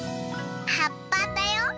はっぱだよ。